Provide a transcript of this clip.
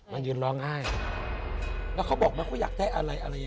มันยืนร้องไห้